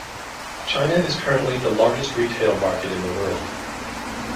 China is currently the largest retail market in the world.